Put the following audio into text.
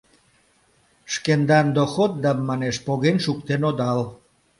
Шкендан доходдам, манеш, поген шуктен одал.